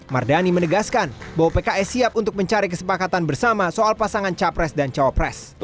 mardani menegaskan bahwa pks siap untuk mencari kesepakatan bersama soal pasangan capres dan cawapres